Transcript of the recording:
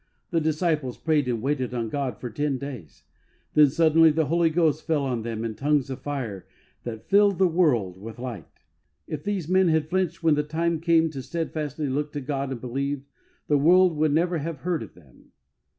The disciples prayed and waited on God for ten days ; then suddenly the Holy Ghost fell on them in tongues of fire that filled the world with light. If these men had flinched when the time came to steadfastly look to God and believe, the world would neve" have heard of them.